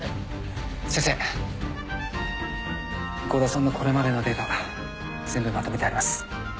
先生郷田さんのこれまでのデータ全部まとめてあります